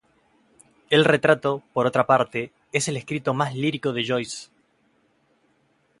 El "Retrato", por otra parte, es el escrito más lírico de Joyce.